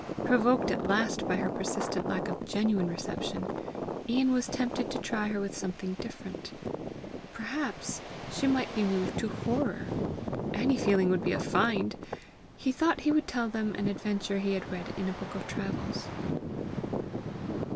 Provoked at last by her persistent lack of GENUINE reception, Ian was tempted to try her with something different: perhaps she might be moved to horror! Any feeling would be a FIND! He thought he would tell them an adventure he had read in a book of travels.